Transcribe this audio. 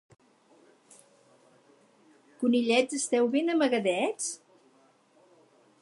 Conillets, esteu ben amagadets?